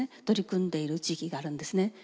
取り組んでいる地域があるんですね。